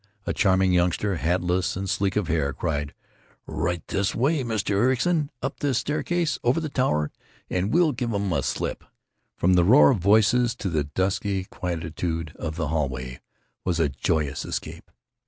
A charming youngster, hatless and sleek of hair, cried, "Right this way, Mr. Ericson—up this staircase in the tower—and we'll give 'em the slip." From the roar of voices to the dusky quietude of the hallway was a joyous escape.